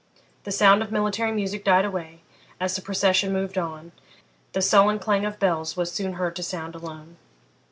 The sound of military music died away as the procession moved on; the sullen clang of the bells was soon heard to sound alone.